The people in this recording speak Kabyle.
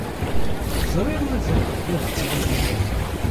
Ẓriɣ mazal tebɣiḍ ad tiliḍ yid-i.